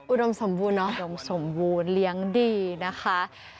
อุดมสมบูรณเนาะดงสมบูรณ์เลี้ยงดีนะคะ